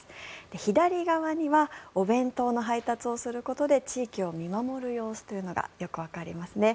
左側にはお弁当の配達をすることで地域を見守る様子というのがよくわかりますね。